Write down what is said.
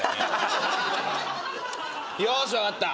よし分かった。